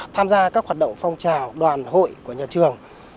tham gia các hoạt động phong trào đoàn hội của nhà trường